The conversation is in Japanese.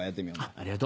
ありがと。